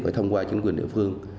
phải thông qua chính quyền địa phương